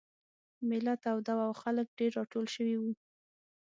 مېله توده وه او خلک ډېر راټول شوي وو.